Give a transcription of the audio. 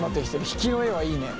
引きの絵はいいね。